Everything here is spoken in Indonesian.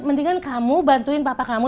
mendingan kamu bantuin papa kamu